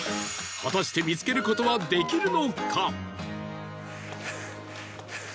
果たして見つける事はできるのか？